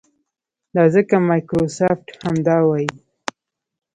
دا ځکه مایکروسافټ همدا وايي.